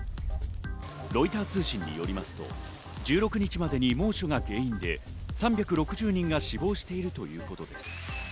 ロイター通信によりますと、１６日までに猛暑が原因で３６０人が死亡しているということです。